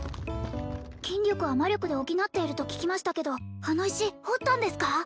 筋力は魔力で補っていると聞きましたけどあの石掘ったんですか？